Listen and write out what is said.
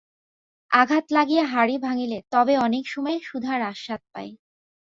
আঘাত লাগিয়া হাঁড়ি ভাঙিলে তবে অনেক সময়ে সুধার আস্বাদ পাই।